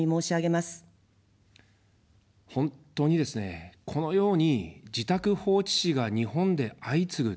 本当にですね、このように自宅放置死が日本で相次ぐ。